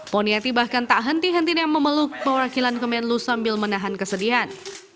poniati bahkan tak henti hentinya memeluk perwakilan kemenlu sambil menahan kesedihan